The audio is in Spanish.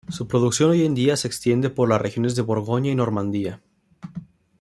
Su producción hoy en día se extiende por las regiones de Borgoña y Normandía.